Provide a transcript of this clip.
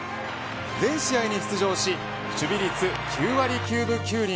全試合に出場し守備率９割９分９厘。